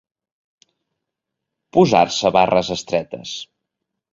Posar-se barres estretes.